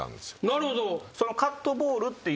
なるほど。